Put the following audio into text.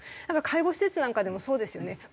だから介護施設なんかでもそうですよね。